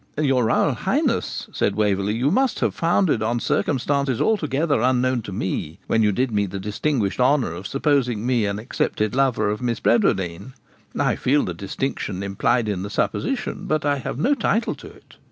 'Your Royal Highness,' said Waverley,'must have founded on circumstances altogether unknown to me, when you did me the distinguished honour of supposing me an accepted lover of Miss Bradwardine. I feel the distinction implied in the supposition, but I have no title to it.